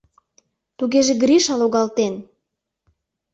Тугеже Гриша логалтен!